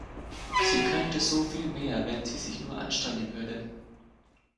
Sie könnte so viel mehr, wenn sie sich nur anstrengen würde.